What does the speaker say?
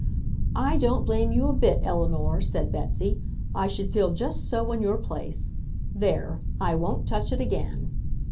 "I don't blame you a bit, Eleanor," said Betsy. "I should feel just so in your place. There! I won't touch it again!"